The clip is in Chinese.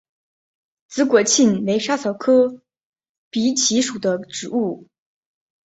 紫果蔺为莎草科荸荠属的植物。